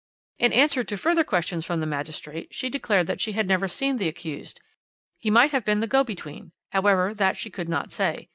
"In answer to further questions from the magistrate, she declared that she had never seen the accused; he might have been the go between, however, that she could not say.